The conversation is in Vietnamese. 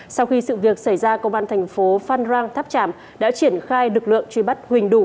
sau khi sự việc xảy ra công an thành phố phan rang tháp tràm đã triển khai lực lượng truy bắt huỳnh đủ